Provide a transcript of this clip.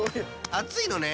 あついのね。